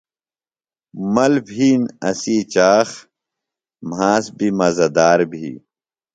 مل بِھین اسی چاخ، مھاس بیۡ مزہ دار بھی